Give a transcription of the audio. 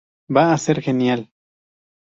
Va a ser genial".